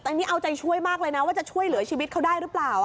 แต่นี่เอาใจช่วยมากเลยนะว่าจะช่วยเหลือชีวิตเขาได้หรือเปล่า